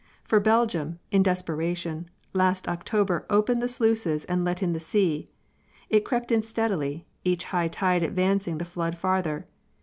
For Belgium, in desperation, last October opened the sluices and let in the sea. It crept in steadily, each high tide advancing the flood farther.